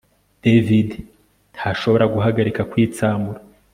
David ntashobora guhagarika kwitsamura